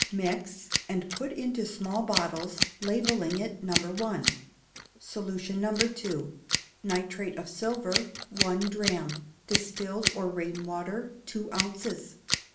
Mix, and put into small bottles, labelling it No. i. Solution No. ii. Nitrate of silver, one drachm; distilled or rain water, two ounces.